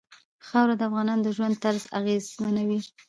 خاوره د افغانانو د ژوند طرز اغېزمنوي.